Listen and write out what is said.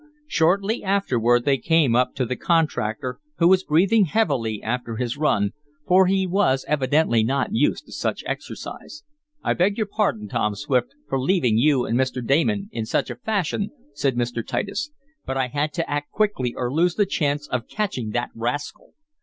Shortly afterward they came up to the contractor, who was breathing heavily after his run, for he was evidently not used to such exercise. "I beg your pardon, Tom Swift, for leaving you and Mr. Damon in such a fashion," said Mr. Titus, "but I had to act quickly or lose the chance of catching that rascal.